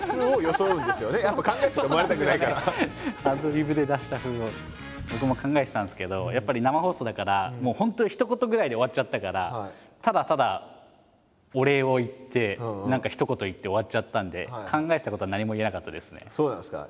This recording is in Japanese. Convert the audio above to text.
アドリブで出した風を僕も考えてたんですけどやっぱり生放送だから本当にひと言ぐらいで終わっちゃったからただただお礼を言って何かひと言言って終わっちゃったんでそうなんですか？